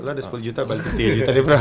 lo ada sepuluh juta balikin tiga juta deh bro